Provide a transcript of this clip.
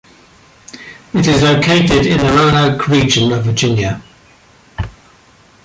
It is located in the Roanoke Region of Virginia.